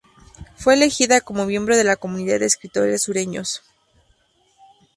Fue elegida como miembro de la Comunidad de Escritores Sureños.